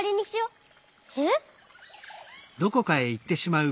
えっ？